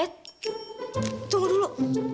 eh tunggu dulu